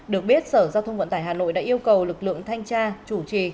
được biết sở giao thông vận tải hà nội đã yêu cầu lực lượng thanh tra chủ trì